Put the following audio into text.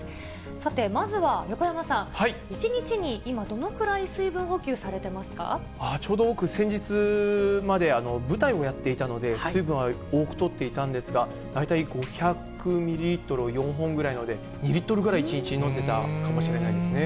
さて、まずは横山さん、１日に今、ちょうど僕、先日まで舞台をやっていたので、水分は多くとっていたんですが、大体５００ミリリットルを４本ぐらいなので、２リットルぐらい、１日に飲んでいたかもしれないですね。